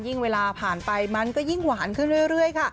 เวลาผ่านไปมันก็ยิ่งหวานขึ้นเรื่อยค่ะ